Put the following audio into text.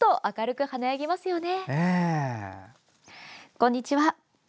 こんにちは。